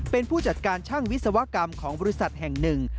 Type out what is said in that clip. เป็นผู้จัดการช่างวิศวกรรมของบริษัทแห่งหนึ่ง